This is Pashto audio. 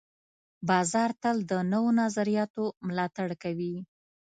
بازار تل د نوو نظریاتو ملاتړ کوي.